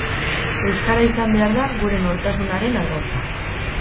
Euskara izan behar da gure nortasunaren ardatza.